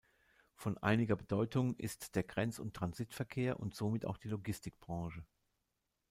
Von einiger Bedeutung ist der Grenz- und Transitverkehr und somit auch die Logistikbranche.